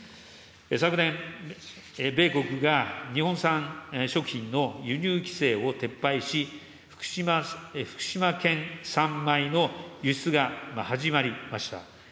昨年、米国が日本産食品の輸入規制を撤廃し、福島県産米の輸出が始まりました。